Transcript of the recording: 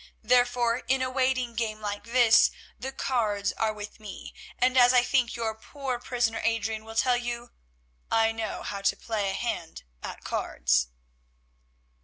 Therefore, in a waiting game like this the cards are with me, and as I think your poor prisoner, Adrian, will tell you, I know how to play a hand at cards."